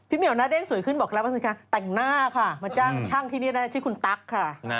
เหี่ยวหน้าเด้งสวยขึ้นบอกแล้วว่าสิคะแต่งหน้าค่ะมาจ้างช่างที่นี่นะชื่อคุณตั๊กค่ะ